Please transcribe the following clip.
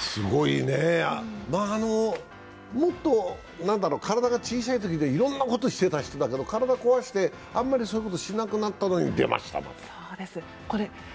すごいねえ、もっと体が小さいときにはいろんなことをしてた人だけど体壊してあんまりそういうことしなくなったのに出ました。